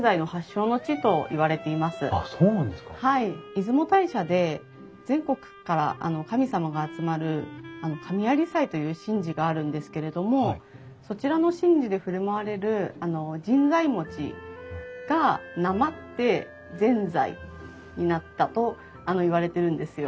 出雲大社で全国から神様が集まる神在祭という神事があるんですけれどもそちらの神事で振る舞われる神在餅がなまってぜんざいになったといわれてるんですよ。